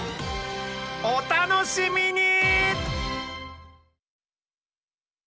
お楽しみに！